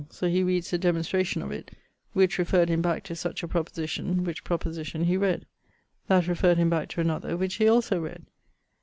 So he reads the demonstration of it, which referred him back to such a proposition; which proposition he read. That referred him back to another, which he also read.